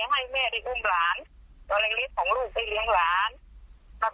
ให้กลุ่มหลานอวัยสิทธิ์ของลูกได้เลี้ยงหลาน